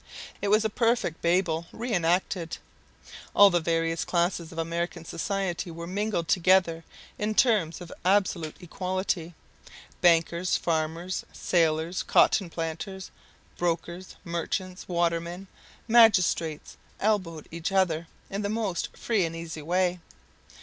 It was a perfect Babel re enacted. All the various classes of American society were mingled together in terms of absolute equality. Bankers, farmers, sailors, cotton planters, brokers, merchants, watermen, magistrates, elbowed each other in the most free and easy way.